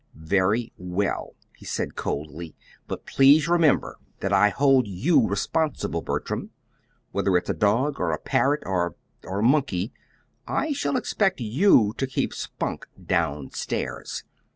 "Very well," he said coldly. "But please remember that I hold you responsible, Bertram. Whether it's a dog, or a parrot, or or a monkey, I shall expect you to keep Spunk down stairs.